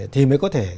thì mới có thể